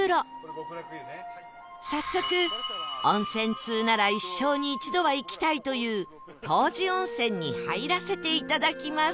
早速温泉通なら一生に一度は行きたいという湯治温泉に入らせていただきます